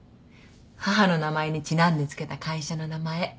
母の名前にちなんで付けた会社の名前。